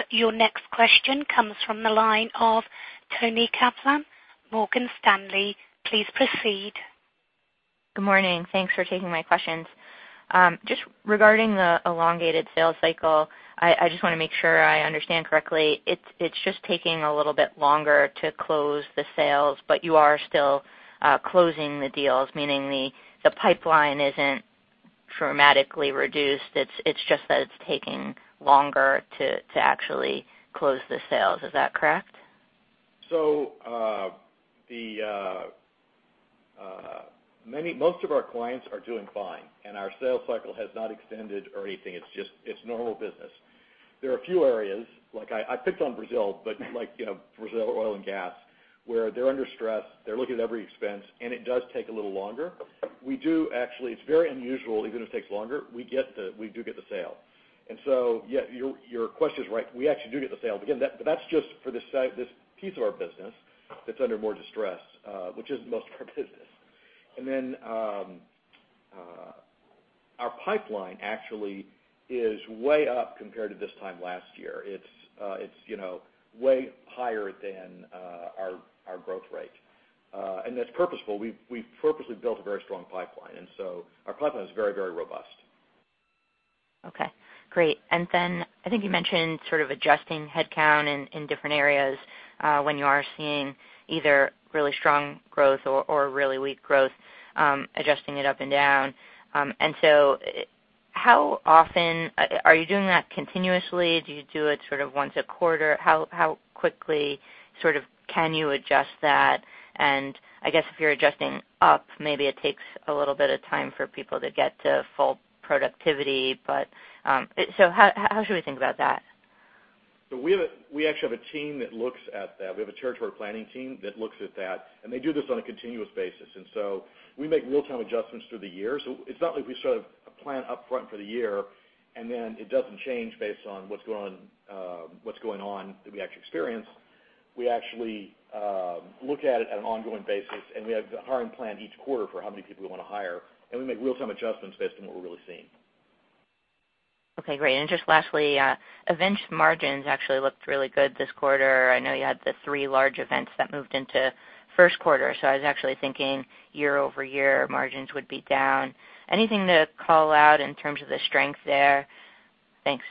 Your next question comes from the line of Toni Kaplan, Morgan Stanley. Please proceed. Good morning. Thanks for taking my questions. Just regarding the elongated sales cycle, I just want to make sure I understand correctly. It's just taking a little bit longer to close the sales, you are still closing the deals, meaning the pipeline isn't dramatically reduced. It's just that it's taking longer to actually close the sales. Is that correct? Most of our clients are doing fine, our sales cycle has not extended or anything. It's normal business. There are a few areas, like I picked on Brazil oil and gas, where they're under stress, they're looking at every expense, it does take a little longer. It's very unusual, even if it takes longer, we do get the sale. Yeah, your question is right. We actually do get the sale, that's just for this piece of our business that's under more distress, which isn't most of our business. Our pipeline actually is way up compared to this time last year. It's way higher than our growth rate. That's purposeful. We've purposely built a very strong pipeline. Our pipeline is very, very robust. Okay, great. I think you mentioned sort of adjusting headcount in different areas, when you are seeing either really strong growth or really weak growth, adjusting it up and down. Are you doing that continuously? Do you do it sort of once a quarter? How quickly can you adjust that? I guess if you're adjusting up, maybe it takes a little bit of time for people to get to full productivity. How should we think about that? We actually have a team that looks at that. We have a territory planning team that looks at that. They do this on a continuous basis. We make real-time adjustments through the year. It's not like we sort of plan upfront for the year, then it doesn't change based on what's going on that we actually experience. We actually look at it on an ongoing basis. We have a hiring plan each quarter for how many people we want to hire. We make real-time adjustments based on what we're really seeing. Okay, great. Just lastly, events margins actually looked really good this quarter. I know you had the 3 large events that moved into first quarter. I was actually thinking year-over-year margins would be down. Anything to call out in terms of the strength there? Thanks.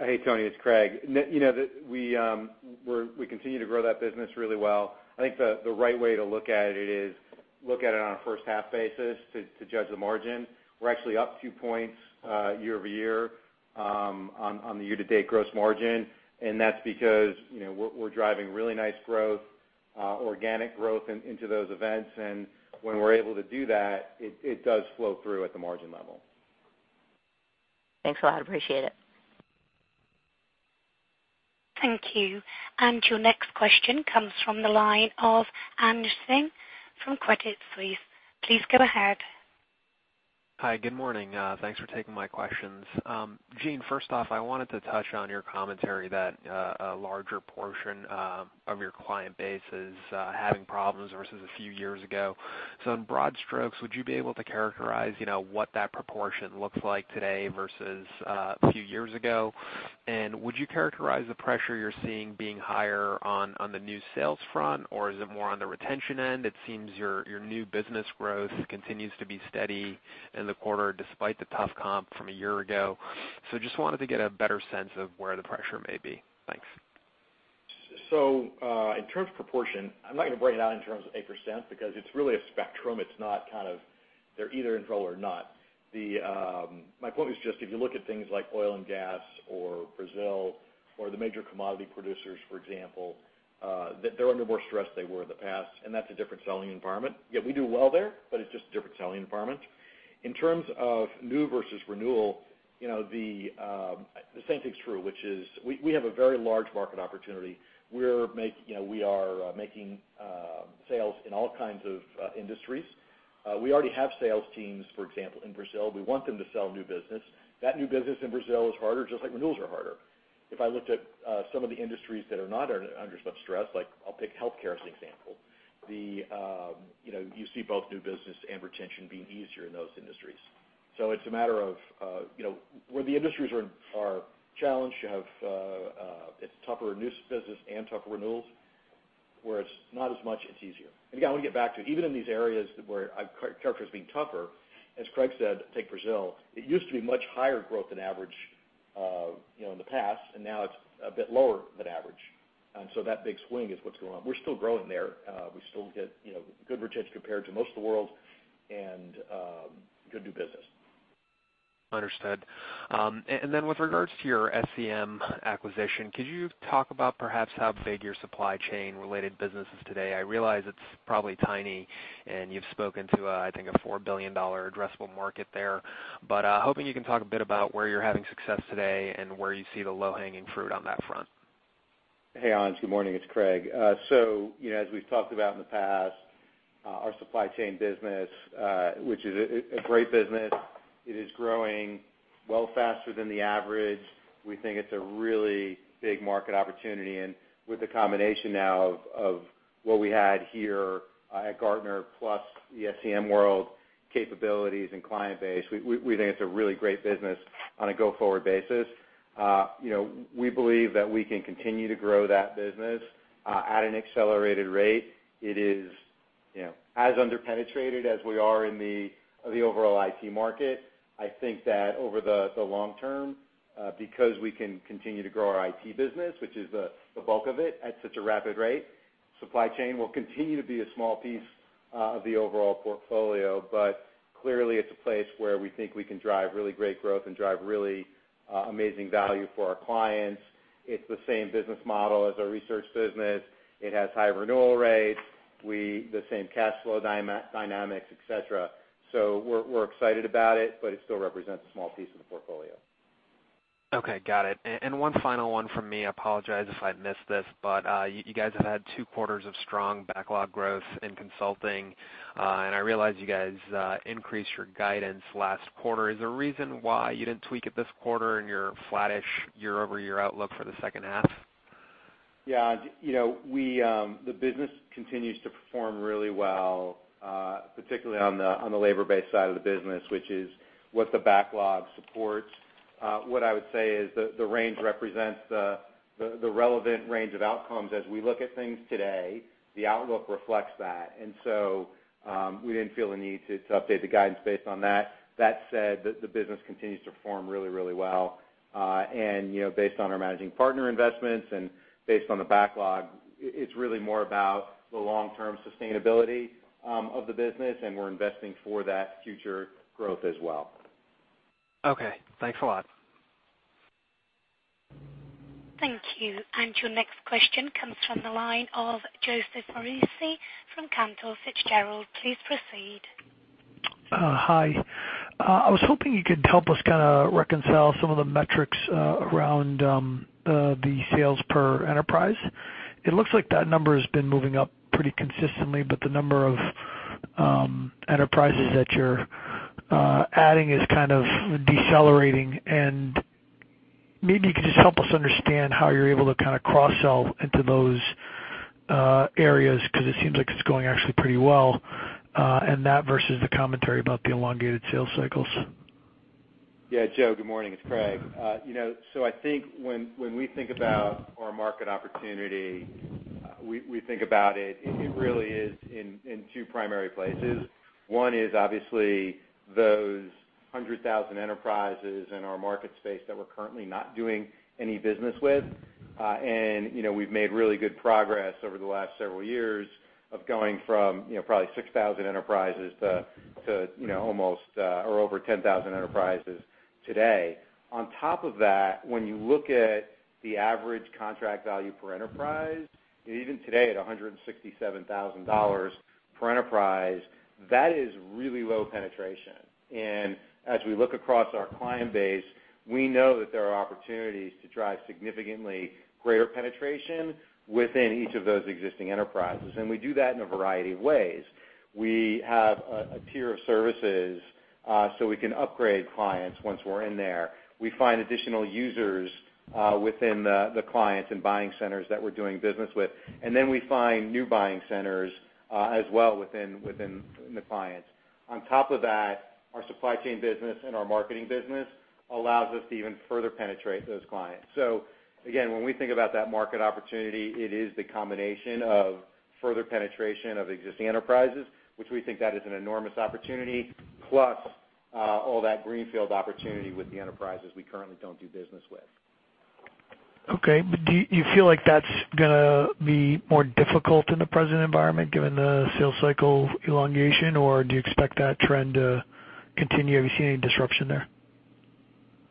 Hey, Toni, it's Craig. We continue to grow that business really well. I think the right way to look at it is look at it on a first-half basis to judge the margin. We're actually up two points year-over-year on the year-to-date gross margin. That's because we're driving really nice growth, organic growth into those events. When we're able to do that, it does flow through at the margin level. Thanks a lot. Appreciate it. Thank you. Your next question comes from the line of Anj Singh from Credit Suisse. Please go ahead. Hi, good morning. Thanks for taking my questions. Gene, first off, I wanted to touch on your commentary that a larger portion of your client base is having problems versus a few years ago. In broad strokes, would you be able to characterize what that proportion looks like today versus a few years ago? Would you characterize the pressure you're seeing being higher on the new sales front, or is it more on the retention end? It seems your new business growth continues to be steady in the quarter despite the tough comp from a year ago. Just wanted to get a better sense of where the pressure may be. Thanks. In terms of proportion, I'm not going to break it out in terms of a percent because it's really a spectrum. It's not kind of they're either in trouble or not. My point was just if you look at things like oil and gas or Brazil or the major commodity producers, for example, that they're under more stress than they were in the past, that's a different selling environment. Yet we do well there, it's just a different selling environment. In terms of new versus renewal, the same thing's true, which is we have a very large market opportunity. We are making sales in all kinds of industries. We already have sales teams, for example, in Brazil. We want them to sell new business. That new business in Brazil is harder, just like renewals are harder. If I looked at some of the industries that are not under such stress, like I'll pick healthcare as an example, you see both new business and retention being easier in those industries. It's a matter of where the industries are challenged, it's tougher new business and tougher renewals, where it's not as much, it's easier. Again, I want to get back to, even in these areas where I've characterized as being tougher, as Craig said, take Brazil, it used to be much higher growth than average in the past, now it's a bit lower than average. That big swing is what's going on. We're still growing there. We still get good retention compared to most of the world and good new business. Understood. With regards to your SCM acquisition, could you talk about perhaps how big your supply chain related business is today? I realize it's probably tiny, and you've spoken to, I think, a $4 billion addressable market there. Hoping you can talk a bit about where you're having success today and where you see the low-hanging fruit on that front. Hey, Anj, good morning. It's Craig. As we've talked about in the past, our supply chain business, which is a great business, it is growing well faster than the average. We think it's a really big market opportunity, and with the combination now of what we had here at Gartner plus the SCM World capabilities and client base, we think it's a really great business on a go-forward basis. We believe that we can continue to grow that business at an accelerated rate. It is as under-penetrated as we are in the overall IT market. I think that over the long term, because we can continue to grow our IT business, which is the bulk of it, at such a rapid rate. Supply chain will continue to be a small piece of the overall portfolio. Clearly, it's a place where we think we can drive really great growth and drive really amazing value for our clients. It's the same business model as our research business. It has high renewal rates, the same cash flow dynamics, et cetera. We're excited about it. It still represents a small piece of the portfolio. Okay, got it. One final one from me. I apologize if I missed this. You guys have had two quarters of strong backlog growth in consulting. I realize you guys increased your guidance last quarter. Is there a reason why you didn't tweak it this quarter in your flattish year-over-year outlook for the second half? Yeah. The business continues to perform really well, particularly on the labor-based side of the business, which is what the backlog supports. What I would say is the range represents the relevant range of outcomes as we look at things today, the outlook reflects that. We didn't feel the need to update the guidance based on that. That said, the business continues to perform really well. Based on our managing partner investments and based on the backlog, it's really more about the long-term sustainability of the business, and we're investing for that future growth as well. Okay. Thanks a lot. Thank you. Your next question comes from the line of Joseph Foresi from Cantor Fitzgerald. Please proceed. Hi. I was hoping you could help us kind of reconcile some of the metrics around the sales per enterprise. It looks like that number has been moving up pretty consistently, but the number of enterprises that you're adding is kind of decelerating. Maybe you could just help us understand how you're able to kind of cross-sell into those areas, because it seems like it's going actually pretty well, and that versus the commentary about the elongated sales cycles. Joseph, good morning. It's Craig. I think when we think about our market opportunity, we think about it really is in two primary places. One is obviously those 100,000 enterprises in our market space that we're currently not doing any business with. We've made really good progress over the last several years of going from probably 6,000 enterprises to over 10,000 enterprises today. On top of that, when you look at the average contract value per enterprise, even today at $167,000 per enterprise, that is really low penetration. As we look across our client base, we know that there are opportunities to drive significantly greater penetration within each of those existing enterprises, and we do that in a variety of ways. We have a tier of services so we can upgrade clients once we're in there. We find additional users within the clients and buying centers that we're doing business with, then we find new buying centers as well within the clients. On top of that, our supply chain business and our marketing business allows us to even further penetrate those clients. Again, when we think about that market opportunity, it is the combination of further penetration of existing enterprises, which we think that is an enormous opportunity, plus all that greenfield opportunity with the enterprises we currently don't do business with. Okay. Do you feel like that's going to be more difficult in the present environment given the sales cycle elongation, or do you expect that trend to continue? Have you seen any disruption there?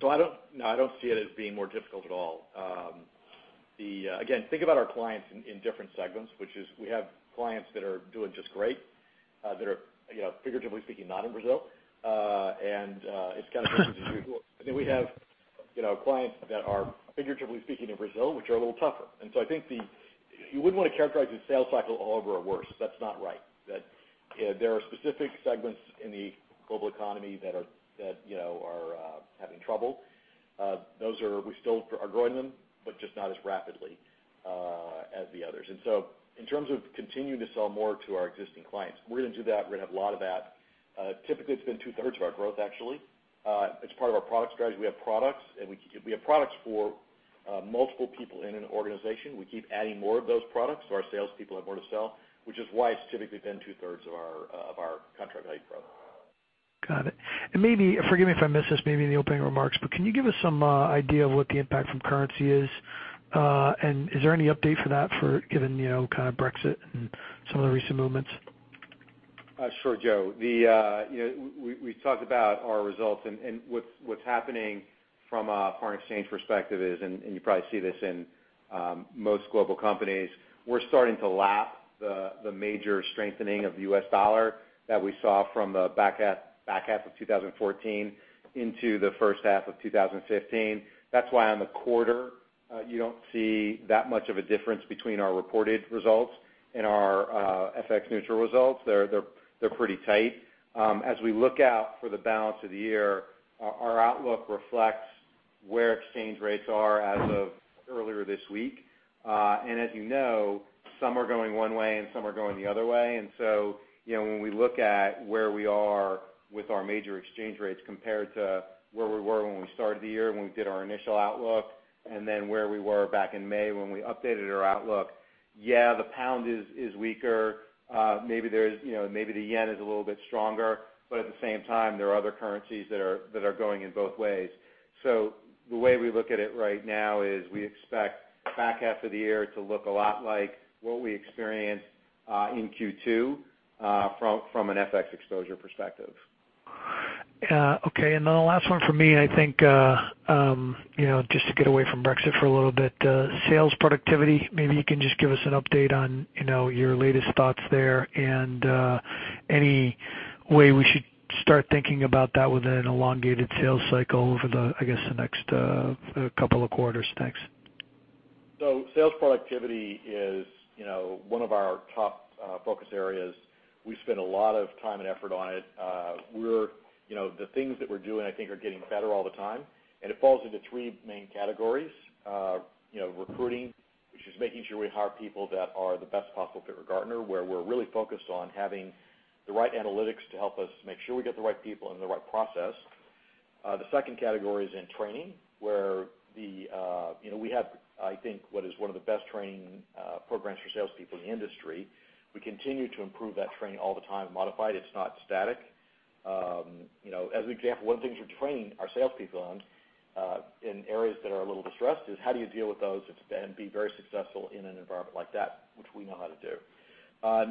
No, I don't see it as being more difficult at all. Again, think about our clients in different segments, which is we have clients that are doing just great, that are, figuratively speaking, not in Brazil. It's kind of business as usual. We have clients that are, figuratively speaking, in Brazil, which are a little tougher. I think you wouldn't want to characterize the sales cycle all over or worse. That's not right. There are specific segments in the global economy that are having trouble. Those we still are growing them, but just not as rapidly as the others. In terms of continuing to sell more to our existing clients, we're going to do that. We're going to have a lot of that. Typically, it's been two-thirds of our growth, actually. It's part of our product strategy. We have products for multiple people in an organization. We keep adding more of those products so our sales people have more to sell, which is why it's typically been two-thirds of our contract value growth. Got it. Forgive me if I missed this maybe in the opening remarks, but can you give us some idea of what the impact from currency is? Is there any update for that for given kind of Brexit and some of the recent movements? Sure, Joe. We talked about our results, and what's happening from a foreign exchange perspective is, and you probably see this in most global companies, we're starting to lap the major strengthening of the U.S. dollar that we saw from the back half of 2014 into the first half of 2015. That's why on the quarter, you don't see that much of a difference between our reported results and our FX neutral results. They're pretty tight. As we look out for the balance of the year, our outlook reflects where exchange rates are as of earlier this week. As you know, some are going one way and some are going the other way. When we look at where we are with our major exchange rates compared to where we were when we started the year, when we did our initial outlook, and then where we were back in May when we updated our outlook, yeah, the pound is weaker. Maybe the yen is a little bit stronger. At the same time, there are other currencies that are going in both ways. The way we look at it right now is we expect back half of the year to look a lot like what we experienced in Q2 from an FX exposure perspective. The last one from me, I think just to get away from Brexit for a little bit. Sales productivity, maybe you can just give us an update on your latest thoughts there and any way we should start thinking about that within an elongated sales cycle over the, I guess, the next couple of quarters. Thanks. Sales productivity is one of our top focus areas. We spend a lot of time and effort on it. The things that we're doing, I think, are getting better all the time, and it falls into three main categories. Recruiting, which is making sure we hire people that are the best possible fit for Gartner, where we're really focused on having the right analytics to help us make sure we get the right people and the right process. The second category is in training, where we have, I think, what is one of the best training programs for salespeople in the industry. We continue to improve that training all the time, modify it. It's not static. As an example, one of the things we're training our salespeople on in areas that are a little distressed is how do you deal with those and be very successful in an environment like that, which we know how to do.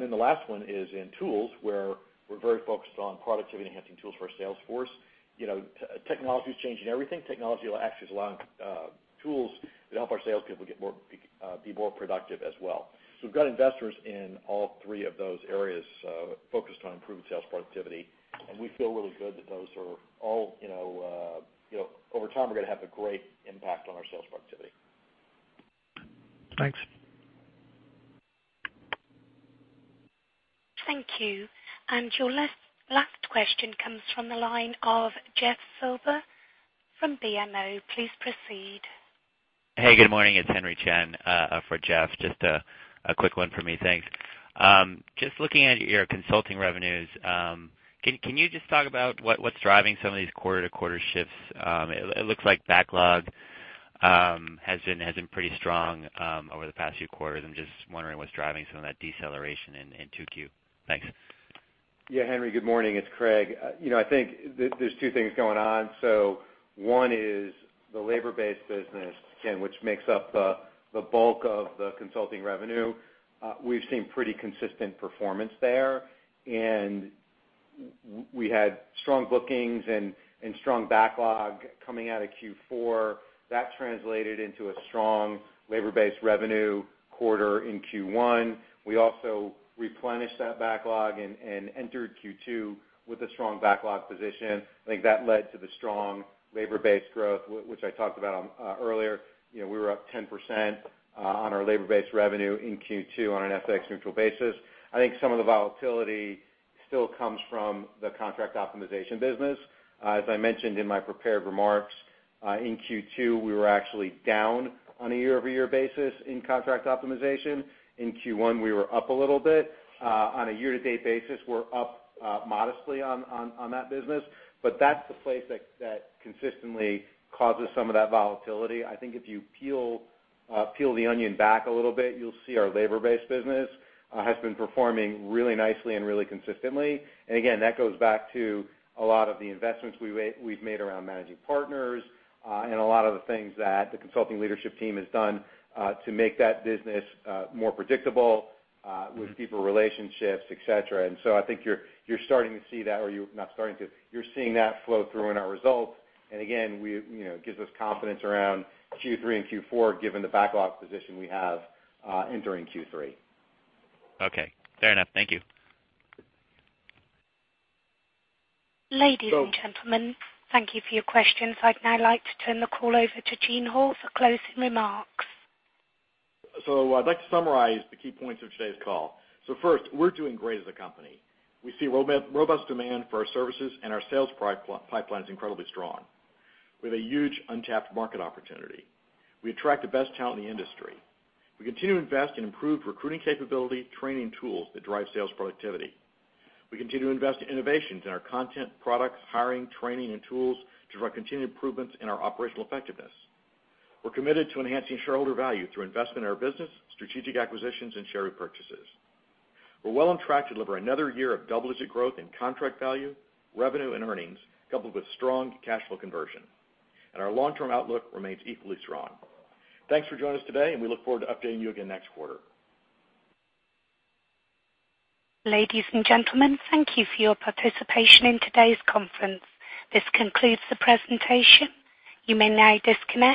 The last one is in tools, where we're very focused on productivity-enhancing tools for our sales force. Technology is changing everything. Technology actually is allowing tools that help our salespeople be more productive as well. We've got investors in all three of those areas focused on improving sales productivity, and we feel really good that those are all over time, we're going to have a great impact on our sales productivity. Thanks. Thank you. Your last question comes from the line of Jeff Silber from BMO. Please proceed. Hey, good morning. It's Henry Chen for Jeff. Just a quick one for me. Thanks. Just looking at your consulting revenues, can you just talk about what's driving some of these quarter-to-quarter shifts? It looks like backlog has been pretty strong over the past few quarters, and just wondering what's driving some of that deceleration in 2Q. Thanks. Yeah, Henry, good morning. It's Craig. I think there's two things going on. One is the labor-based business, again, which makes up the bulk of the consulting revenue. We've seen pretty consistent performance there, and we had strong bookings and strong backlog coming out of Q4. That translated into a strong labor-based revenue quarter in Q1. We also replenished that backlog and entered Q2 with a strong backlog position. I think that led to the strong labor-based growth, which I talked about earlier. We were up 10% on our labor-based revenue in Q2 on an FX neutral basis. I think some of the volatility still comes from the contract optimization business. As I mentioned in my prepared remarks, in Q2, we were actually down on a year-over-year basis in contract optimization. In Q1, we were up a little bit. On a year-to-date basis, we're up modestly on that business. That's the place that consistently causes some of that volatility. I think if you peel the onion back a little bit, you'll see our labor-based business has been performing really nicely and really consistently. Again, that goes back to a lot of the investments we've made around managing partners and a lot of the things that the consulting leadership team has done to make that business more predictable with deeper relationships, et cetera. I think you're starting to see that, or not starting to, you're seeing that flow through in our results. Again, it gives us confidence around Q3 and Q4, given the backlog position we have entering Q3. Okay. Fair enough. Thank you. Ladies and gentlemen, thank you for your questions. I'd now like to turn the call over to Gene Hall for closing remarks. I'd like to summarize the key points of today's call. First, we're doing great as a company. We see robust demand for our services, and our sales pipeline is incredibly strong. We have a huge untapped market opportunity. We attract the best talent in the industry. We continue to invest in improved recruiting capability, training tools that drive sales productivity. We continue to invest in innovations in our content, products, hiring, training, and tools to drive continued improvements in our operational effectiveness. We're committed to enhancing shareholder value through investment in our business, strategic acquisitions, and share purchases. We're well on track to deliver another year of double-digit growth in contract value, revenue, and earnings, coupled with strong cash flow conversion. Our long-term outlook remains equally strong. Thanks for joining us today, and we look forward to updating you again next quarter. Ladies and gentlemen, thank you for your participation in today's conference. This concludes the presentation. You may now disconnect.